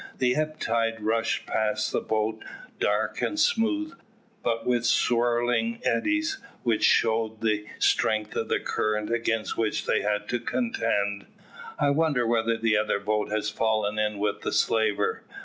The ebb tide rushed past the boat dark and smooth, but with swirling eddies, which showed the strength of the current against which they had to contend. "I wonder whether the other boat has fallen in with the slaver."